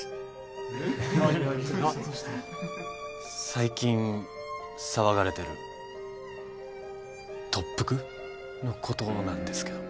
最近騒がれてる特服？のことなんですけど。